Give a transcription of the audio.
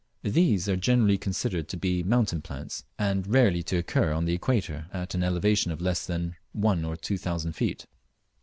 These are generally considered to be mountain plants, and rarely to occur on the equator at an elevation of less than one or two thousand feet.